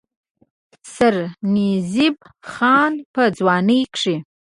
سرنزېب خان پۀ ځوانۍ کښې